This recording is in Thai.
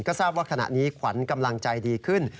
ก็ทราบว่าขณะนี้ขวัญกำลังใจดีขึ้น